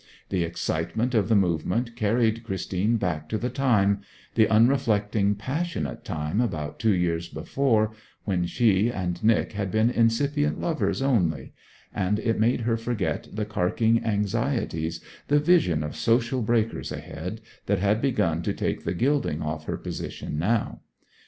The excitement of the movement carried Christine back to the time the unreflecting passionate time, about two years before when she and Nic had been incipient lovers only; and it made her forget the carking anxieties, the vision of social breakers ahead, that had begun to take the gilding off her position now.